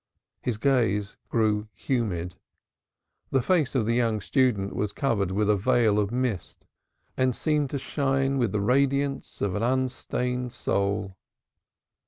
His gaze grew humid; the face of the young student was covered with a veil of mist and seemed to shine with the radiance of an unstained soul.